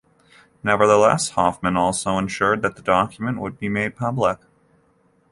Nevertheless, Hofmann also ensured that the document would be made public.